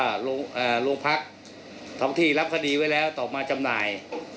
โรงพักท้องที่รับคดีไว้แล้วต่อมาจำหน่าย